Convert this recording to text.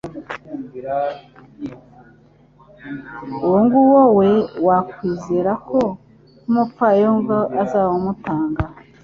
Uwo nguwo we wakwizera ko n’umupfayongo azabumutanga